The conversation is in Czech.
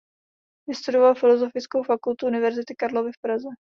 Vystudoval Filosofickou fakultu University Karlovy v Praze.